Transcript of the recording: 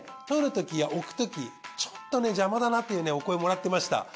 取るときや置くときちょっとね邪魔だなというねお声をもらっていました。